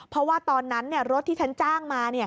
เพราะว่าตอนนั้นรถที่ฉันจ้างมา